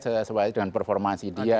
seperti dengan performasi dia